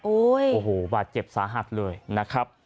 โอ้โหบาดเจ็บสาหัสเลยนะครับ